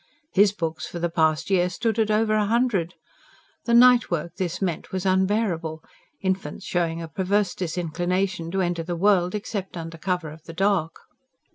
HIS books for the past year stood at over a hundred! The nightwork this meant was unbearable, infants showing a perverse disinclination to enter the world except under cover of the dark.